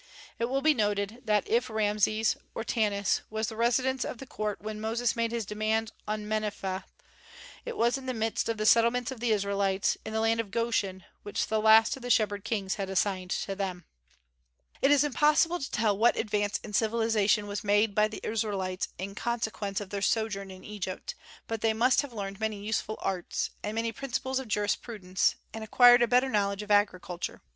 It will be noted that if Rameses, or Tanis, was the residence of the court when Moses made his demands on Menephtah, it was in the midst of the settlements of the Israelites, in the land of Goshen, which the last of the Shepherd Kings had assigned to them. It is impossible to tell what advance in civilization was made by the Israelites in consequence of their sojourn in Egypt; but they must have learned many useful arts, and many principles of jurisprudence, and acquired a better knowledge of agriculture.